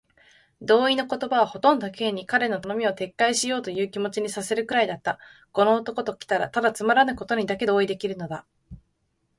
同意の言葉はほとんど Ｋ に、彼の頼みを撤回しようというという気持にさせるくらいだった。この男ときたら、ただつまらぬことにだけ同意できるのだ。